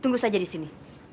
tunggu saja disini